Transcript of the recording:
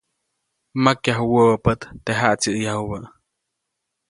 Makyaju wäwä pät, teʼ jaʼtsiʼäyajubä.